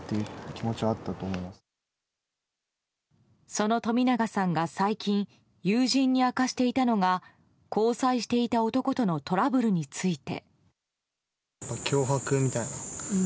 その冨永さんが最近、友人に明かしていたのが交際していた男とのトラブルについて。